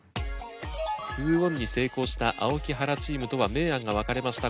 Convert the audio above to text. ２オンに成功した青木・原チームとは明暗が分かれました